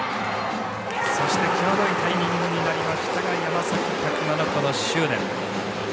際どいタイミングになりましたが山崎琢磨の執念。